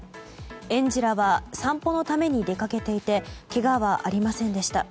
園児らは散歩のために出かけていてけがはありませんでした。